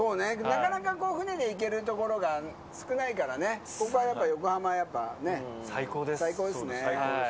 なかなか、船で行ける所が少ないからね、ここはやっぱり、横浜はやっぱり最高ですね。